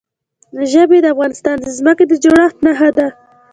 ژبې د افغانستان د ځمکې د جوړښت نښه ده.